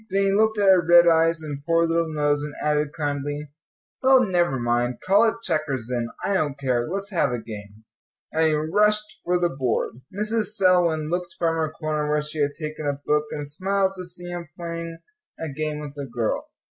Then he looked at her red eyes and poor little nose, and added kindly, "Well, never mind, call it checkers, then, I don't care; let's have a game," and he rushed for the board. Mrs. Selwyn looked from her corner where she had taken a book, and smiled to see him playing a game with a girl.